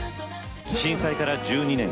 震災から１２年。